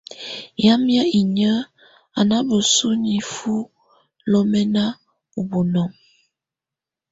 Yámɛ̀á inyǝ́ á ná bǝ́su nifuǝ́ lɔ́mɛ́na ú bunɔŋɔ.